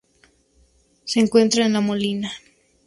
Se encuentra en La Molina.